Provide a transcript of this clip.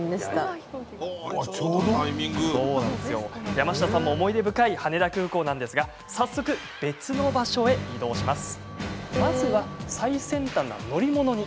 山下さんも思い出深い羽田空港ですが早速、別の場所へ移動します。